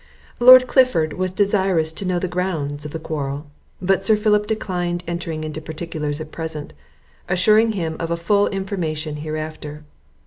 Lord Clifford was desirous to know the grounds of the quarrel; but Sir Philip declined entering into particulars at present, assuring him of a full information hereafter.